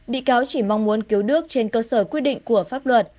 bị cáo chỉ mong muốn cứu nước trên cơ sở quy định của pháp luật